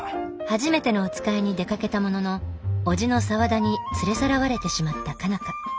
はじめてのおつかいに出かけたものの叔父の沢田に連れさらわれてしまった佳奈花。